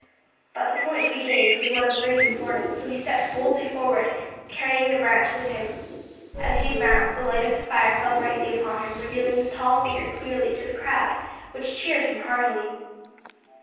But the point to be gained was one of great importance, so he stepped boldly forward, carrying the branch with him. As he advanced, the light of the fire fell brightly upon him, revealing his tall figure clearly to the crowd, which cheered him heartily.